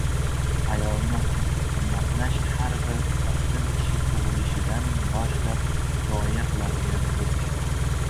Ayolni hurmatlash — har bir sofdil kishi tug‘ilishidan bosh-lab rioya qiladigan burch.